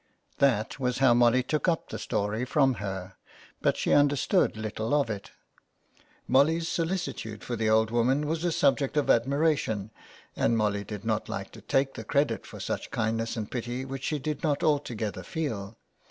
That was how Molly took up the story from her, but she understood little of it. Molly's solicitude for the old woman was a subject of admira tion, and Molly did not like to take the credit for a kindness and pity which she did not altogether feel.